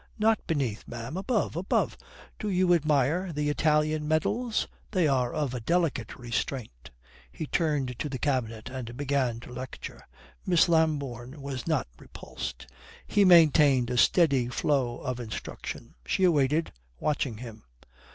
"Not beneath, ma'am. Above. Above. Do you admire the Italian medals? They are of a delicate restraint," He turned to the cabinet and began to lecture. Miss Lambourne was not repulsed. He maintained a steady flow of instruction. She waited, watching him.